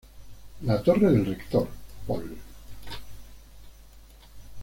La Torre del Rector, Pol.